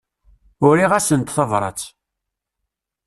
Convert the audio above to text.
Uriɣ-asent tabrat.